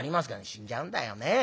「死んじゃうんだよねえ。